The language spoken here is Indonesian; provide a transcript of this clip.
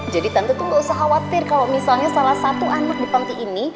jadi tante tuh nggak usah khawatir kalau misalnya salah satu anak di panti ini